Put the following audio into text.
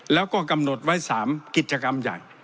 แล้วก็กำหนดไว้๓กิจกรรมใหญ่